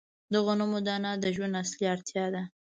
د غنمو دانه د ژوند اصلي اړتیا ده.